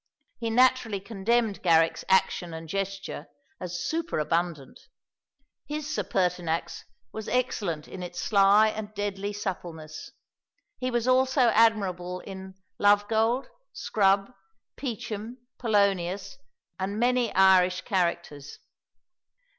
He naturally condemned Garrick's action and gesture as superabundant. His Sir Pertinax was excellent in its sly and deadly suppleness. He was also admirable in Lovegold, Scrub, Peachem, Polonius, and many Irish characters.